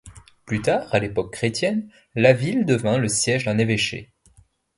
Plus tard à l'époque chrétienne, la ville devint le siège d'un évêché.